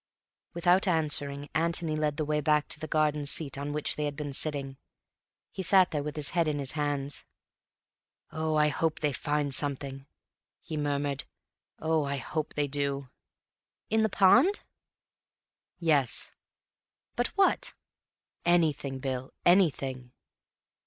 Without answering, Antony led the way back to the garden seat on which they had been sitting. He sat there with his head in his hands. "Oh, I hope they find something," he murmured. "Oh, I hope they do." "In the pond?" "Yes." "But what?" "Anything, Bill; anything."